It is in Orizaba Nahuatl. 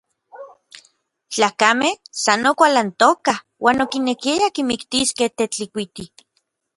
Tlakamej san okualantokaj uan okinekiayaj kimiktiskej Tetlikuiti.